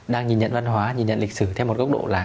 đang nhìn nhận cái văn hóa nhìn nhận lịch sử theo một gốc độ là